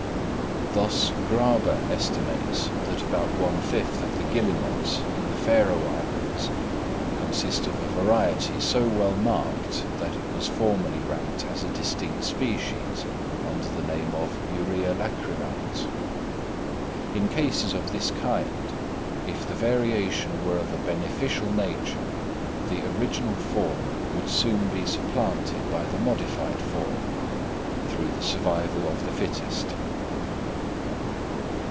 Thus Graba estimates that about one fifth of the guillemots in the Faroe Islands consist of a variety so well marked, that it was formerly ranked as a distinct species under the name of Uria lacrymans. In cases of this kind, if the variation were of a beneficial nature, the original form would soon be supplanted by the modified form, through the survival of the fittest.